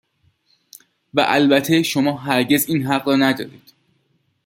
و البته شما هرگز این حق را ندارید